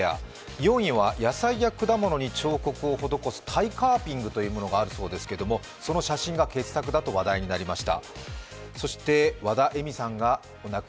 ４位は野菜や果物に彫刻をほどこす、タイカーピングというものがあるんｄせうが、その写真が傑作だと話題になりました。